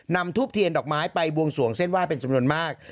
นำทูบเทียนดอกไม้ไปบวงสวงเส้นไห้เป็นจำนวนมาก